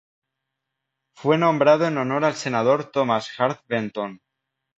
Fue nombrado en honor al senador Thomas Hart Benton.